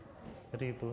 terus kendala lain waktu